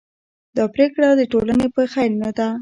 دا پرېکړه د ټولنې په خیر نه ده.